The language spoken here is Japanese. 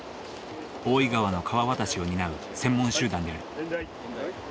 大井川の川渡しを担う専門集団である。